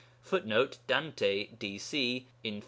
[Footnote: Dante, _D.C., Inf.